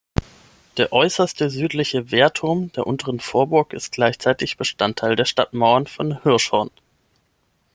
Der äußerste südliche Wehrturm der unteren Vorburg ist gleichzeitig Bestandteil der Stadtmauern von Hirschhorn.